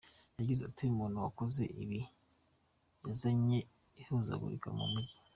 Yagize ati : “Umuntu wakoze ibi yazanye ihuzagurika mu Mujyi.